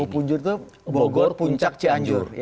punjur itu bogor puncak cianjur